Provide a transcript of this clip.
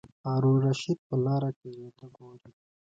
هارون الرشید په لاره تېرېده ګوري.